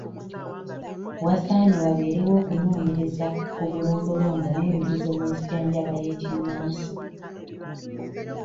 Wasaanye wabeerewo okunoonyereza ku bulombolombo n'emizizo mu nzijanjaba y'ekinnansi.